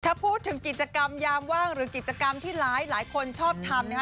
ถ้าพูดถึงกิจกรรมยามว่างหรือกิจกรรมที่หลายคนชอบทำนะคะ